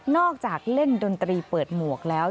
จากเล่นดนตรีเปิดหมวกแล้ว